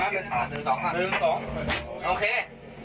ติดเตียงได้ยินเสียงลูกสาวต้องโทรศัพท์ไปหาคนมาช่วย